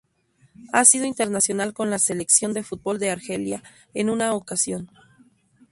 Ha sido internacional con la selección de fútbol de Argelia en una ocasión.